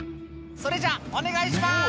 「それじゃあお願いします」